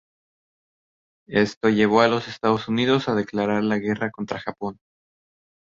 Esto llevó a los Estados Unidos a declarar la guerra contra Japón.